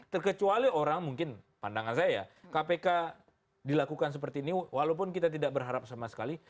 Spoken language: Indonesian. terkecuali orang mungkin pandangan saya ya kpk dilakukan seperti ini walaupun kita tidak berharap sama sekali